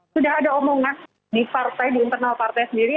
sudah ada omongan di partai di internal partai sendiri